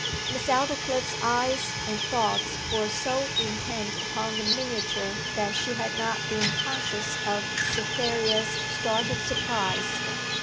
Miss Aldclyffe's eyes and thoughts were so intent upon the miniature that she had not been conscious of Cytherea's start of surprise.